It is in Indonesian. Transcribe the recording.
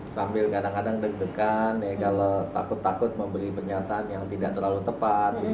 sambil kadang kadang deg degan kalau takut takut memberi pernyataan yang tidak terlalu tepat